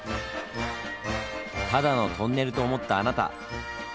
ただのトンネルと思ったあなた！